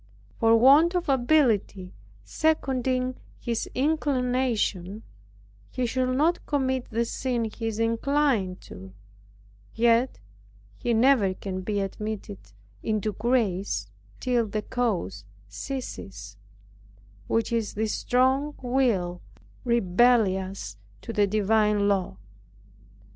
For want of ability seconding his inclination, he should not commit the sin he is inclined to, yet he never can be admitted into grace till the cause ceases, which is this wrong will, rebellious to the divine law.